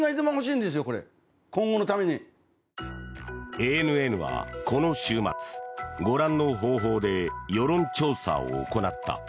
ＡＮＮはこの週末ご覧の方法で世論調査を行った。